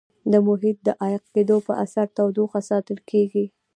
د محیط د عایق کېدو په اثر تودوخه ساتل کیږي.